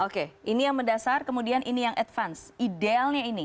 oke ini yang mendasar kemudian ini yang advance idealnya ini